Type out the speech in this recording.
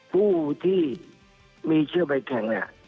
ผู้ที่มีชื่อใบแข่งเนี่ย